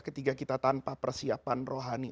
ketika kita tanpa persiapan rohani